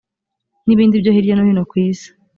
n ibindi byo hirya no hino ku isi